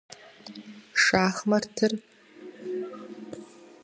Шахматхэр спорт лӏэужьыгъуэ нэхъыжь дыдэхэм ящыщ зыщ.